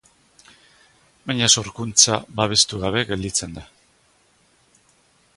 Baina sorkuntza babestu gabe gelditzen da.